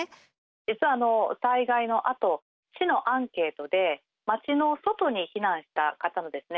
実は災害のあと市のアンケートで町の外に避難した方のですね